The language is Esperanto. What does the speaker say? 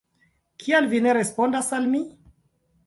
Kial vi ne respondas al mi?